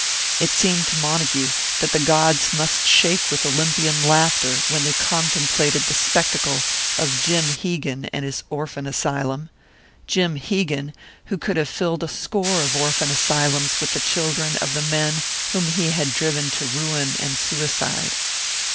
It seemed to Montague that the gods must shake with Olympian laughter when they contemplated the spectacle of Jim Hegan and his orphan asylum: Jim Hegan, who could have filled a score of orphan asylums with the children of the men whom he had driven to ruin and suicide!